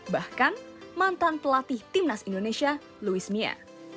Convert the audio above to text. bahkan mantan pelatih timnas indonesia luis mia